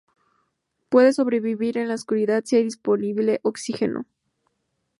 Puede sobrevivir en la oscuridad si hay disponible oxígeno.